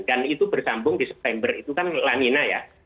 dan itu bersambung di september itu kan langina ya